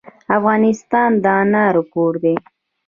افغانستان د انارو کور دی.